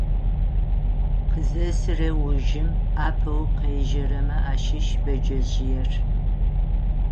Къызесырэ ужым апэу къежьэрэмэ ащыщ бэджэжъыер.